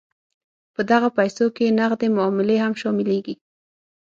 په دغه پیسو کې نغدې معاملې هم شاملیږي.